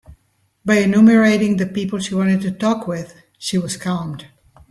By enumerating the people she wanted to talk with, she was calmed.